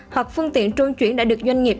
hoặc phương tiện trôn chuyển đã được doanh nghiệp